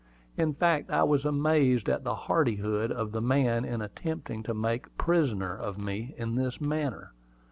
In fact, I was amazed at the hardihood of the man in attempting to make a prisoner of me in this manner.